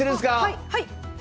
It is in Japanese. はい！